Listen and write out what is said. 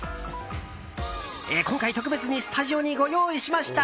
今回、特別にスタジオにご用意しました。